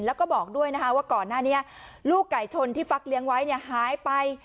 แล้วก็บอกด้วยนะคะว่าก่อนหน้านี้ลูกไก่ชนที่ฟักเลี้ยงไว้หายไป